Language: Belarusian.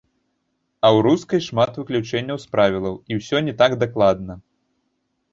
А ў рускай шмат выключэнняў з правілаў і ўсё не так дакладна.